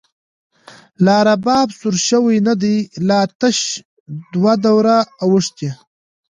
لا رباب سور شوۍ ندۍ، لا تش دوه دوره اوښتۍ